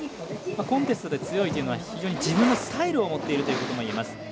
コンテストで強いというのは非常に自分のスタイルを持っているということもいえます。